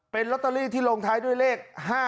เป็นลอตเตอรี่ที่ลงท้ายด้วยเลข๕๗